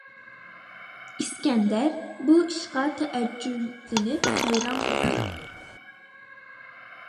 ئىسكەندەر بۇ ئىشقا تەئەججۈپلىنىپ ھەيران بولدى.